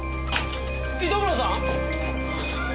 糸村さん！？